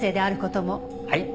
はい。